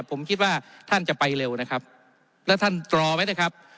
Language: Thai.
ผมคิดว่าท่านจะไปเร็วนะครับแล้วท่านตรอไว้นะครับ